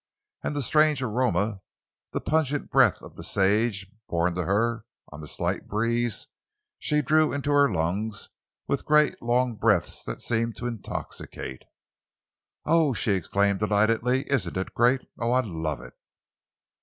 And the strange aroma—the pungent breath of the sage, borne to her on the slight breeze—she drew into her lungs with great long breaths that seemed to intoxicate her. "Oh," she exclaimed delightedly, "isn't it great! Oh, I love it!"